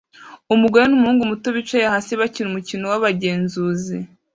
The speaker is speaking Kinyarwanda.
Umugore numuhungu muto bicaye hasi bakina umukino wabagenzuzi